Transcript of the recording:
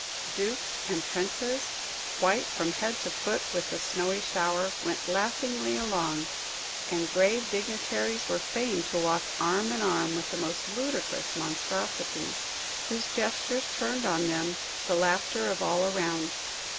Dukes and princes, white from head to foot with the snowy shower, went laughingly along, and grave dignitaries were fain to walk arm inarm with the most ludicrous monstrosities, whose gestures turned on them the laughter of all around.